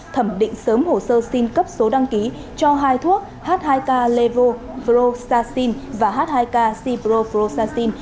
thẩm định sớm hồ sơ xin cấp số đăng ký cho hai thuốc h hai k levo frosacin và h hai k c pro frosacin